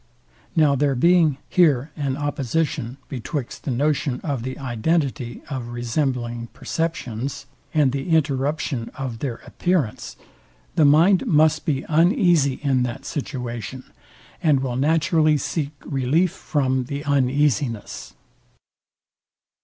Now there being here an opposition betwixt the notion of the identity of resembling perceptions, and the interruption of their appearance, the mind must be uneasy in that situation, and will naturally seek relief from the uneasiness.